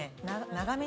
長め？